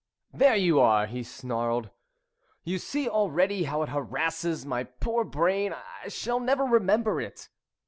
"There you are!" he snarled. "You see already how it harasses my poor brain. I shall never remember it."